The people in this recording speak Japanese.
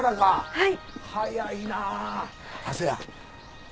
はい。